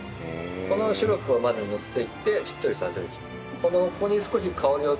このシロップをまず塗っていってしっとりさせると。